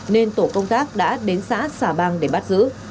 nên tổ công tác đã đến xã xà bang để bắt giữ